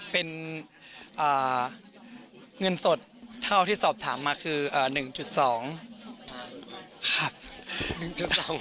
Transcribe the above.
เป็นเงินสดเท่าที่สอบถามมาคือ๑๒ครับ